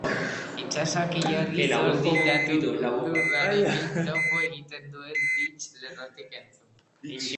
Itsasoak ilargiak zoharditutako lurrarekin topo egiten duen bits lerrotik entzun!